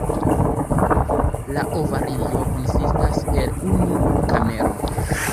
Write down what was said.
La ovario konsistas el unu kamero.